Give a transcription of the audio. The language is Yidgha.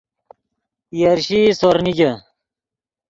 یرشیئی سور نیگے